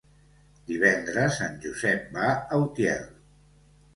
Divendres en Josep va a Utiel.